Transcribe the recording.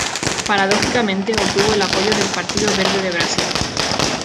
Paradójicamente obtuvo el apoyo del Partido Verde de Brasil.